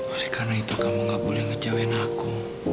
oleh karena itu kamu tidak boleh mengecewakan aku